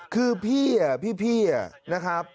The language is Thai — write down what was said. คือพี่อะพี่อะ